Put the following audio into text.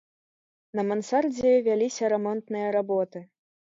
На мансардзе вяліся рамонтныя работы.